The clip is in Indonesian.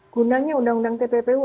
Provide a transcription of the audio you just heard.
gunanya undang undang tppu